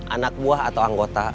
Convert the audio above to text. anak buah atau anggota